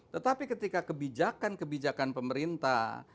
tetapi ketika kebijakan kebijakan pemerintah